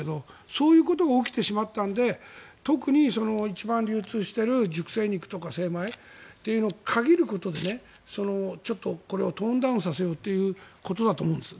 そういうことが起きてしまったので特に一番流通している熟成肉とか精米っていうのを限ることでちょっとこれをトーンダウンさせようということだと思うんです。